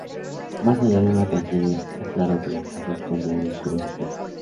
Más allá de una tragedia, está claro que la casa esconde un oscuro secreto.